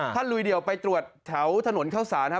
ลุยเดี่ยวไปตรวจแถวถนนเข้าสารนะครับ